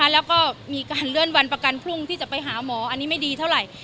แล้วก็มีการเลื่อนวันประกันพรุ่งที่จะไปหาหมออันนี้ไม่ดีเท่าไหร่